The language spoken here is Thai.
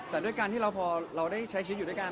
แต่ด้วยการที่เราพอเราได้ใช้ชีวิตอยู่ด้วยกัน